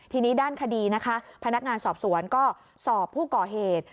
ทีนี้ด้านคดีนะคะพนักงานสอบสวนก็สอบผู้ก่อเหตุ